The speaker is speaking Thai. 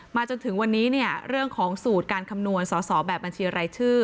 จนถึงวันนี้เนี่ยเรื่องของสูตรการคำนวณสอสอแบบบัญชีรายชื่อ